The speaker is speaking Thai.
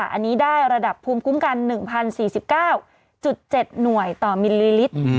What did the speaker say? อันนี้ได้ระดับภูมิคุ้มกัน๑๐๔๙๗หน่วยต่อมิลลิลิตร